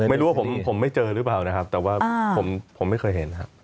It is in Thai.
ไม่รู้ว่าผมไม่เจอหรือเปล่านะครับแต่ว่าผมไม่เคยเห็นครับ